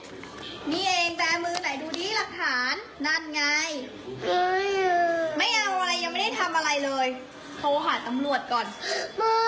น้องน้องกลัวอย่าไปแจ้งตำรวจน้องน้องกลัวอย่าไปแจ้งตำรวจดีกว่าเด็ก